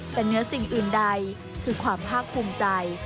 แต่เนื้อสิ่งอื่นใดคือความภาคภูมิใจ